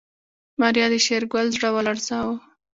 ماريا د شېرګل زړه ولړزاوه.